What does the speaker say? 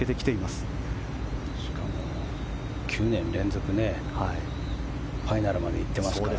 しかも、９年連続ファイナルまで行ってますから。